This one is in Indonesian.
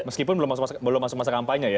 meskipun belum masuk masa kampanye ya